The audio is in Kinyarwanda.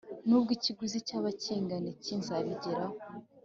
nubwo ikiguzi cyaba kingana iki, nzabigeraho.